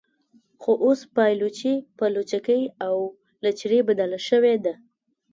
خو اوس پایلوچي په لچکۍ او لچرۍ بدله شوې ده.